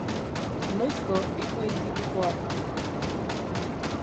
Noizko ipuin tipikoa?